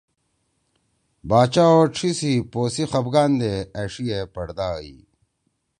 باچا او ڇھی سی پو سی خفگان دے أݜی ئے پڑدا ائی۔